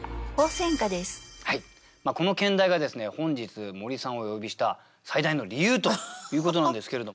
この兼題がですね本日森さんをお呼びした最大の理由ということなんですけれど。